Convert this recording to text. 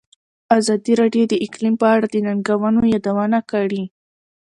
ازادي راډیو د اقلیم په اړه د ننګونو یادونه کړې.